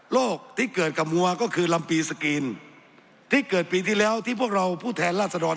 ที่เกิดกับมัวก็คือลำปีสกรีนที่เกิดปีที่แล้วที่พวกเราผู้แทนราษฎร